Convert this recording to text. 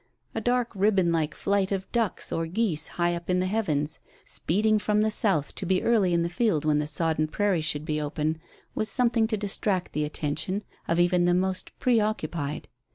A dark ribbon like flight of ducks or geese, high up in the heavens, speeding from the south to be early in the field when the sodden prairie should be open, was something to distract the attention of even the most pre occupied.